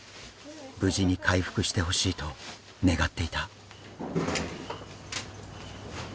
無事に回復してほしいと願っていた。